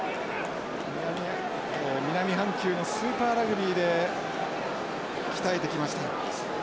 南半球のスーパーラグビーで鍛えてきました。